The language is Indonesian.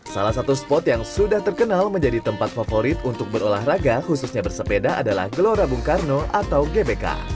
salah satu spot yang sudah terkenal menjadi tempat favorit untuk berolahraga khususnya bersepeda adalah gelora bung karno atau gbk